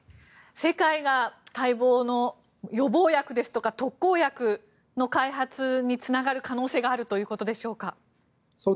世界が待望の予防薬ですとか特効薬の開発につながる可能性があるということですか